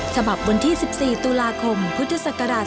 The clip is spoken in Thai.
ฉบับวันที่๑๔ตุลาคมพุทธศักราช๒๕